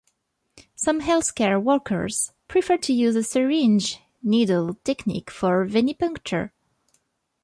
Some health care workers prefer to use a syringe-needle technique for Venipuncture.